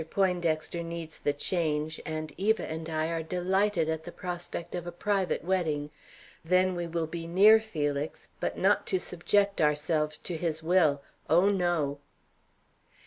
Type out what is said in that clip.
Poindexter needs the change, and Eva and I are delighted at the prospect of a private wedding. Then we will be near Felix, but not to subject ourselves to his will. Oh, no!